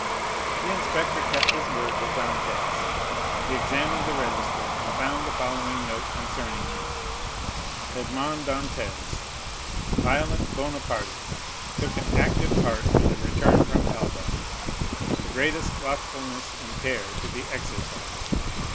The inspector kept his word with Dantès; he examined the register, and found the following note concerning him: Edmond Dantès: Violent Bonapartist; took an active part in the return from Elba. The greatest watchfulness and care to be exercised.